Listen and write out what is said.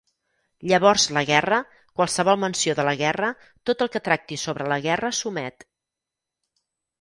Llavors la guerra, qualsevol menció de la guerra, tot el que tracti sobre la guerra s'omet.